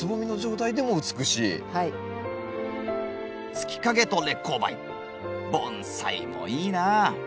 月影と烈公梅盆栽もいいなぁ。